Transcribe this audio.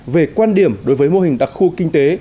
về quan điểm đối với mô hình đặc khu kinh tế